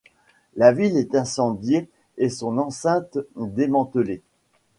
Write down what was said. La ville est incendiée et son enceinte démantelée.